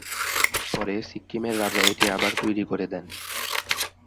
পরে সিক্কিমের রাজা এটি আবার তৈরি করে দেন।